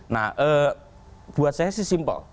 nah buat saya sih simpel